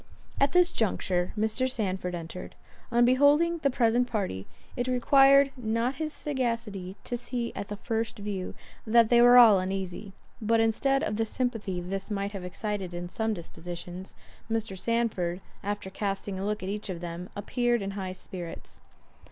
At this juncture Mr. Sandford entered. On beholding the present party, it required not his sagacity to see at the first view, that they were all uneasy; but instead of the sympathy this might have excited in some dispositions, Mr. Sandford, after casting a look at each of them, appeared in high spirits.